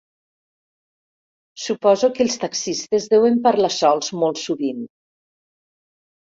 Suposo que els taxistes deuen parlar sols molt sovint.